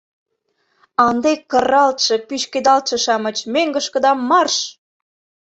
— А ынде кыралтше, пӱчкедалтше-шамыч, мӧҥгышкыда марш!